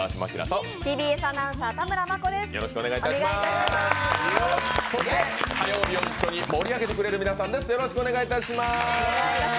そして、火曜日を一緒に盛り上げてくれる皆さんです。